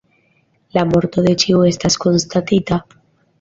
La morto de ĉiu estas konstatita.